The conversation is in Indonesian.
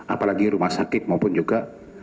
apalagi rumah sakit maupun juga